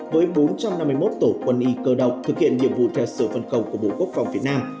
với bốn trăm năm mươi một tổ quân y cơ động thực hiện nhiệm vụ theo sở phân công của bộ quốc phòng việt nam